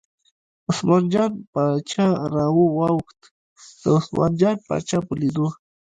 عثمان جان باچا راواوښت، د عثمان جان باچا په لیدو.